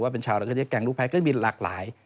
ก็จะมีหลากหลาย